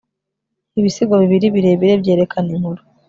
ibisigo bibiri birebire byerekana inkuru